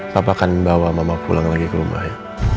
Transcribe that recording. papa akan bawa mama pulang lagi ke rumahnya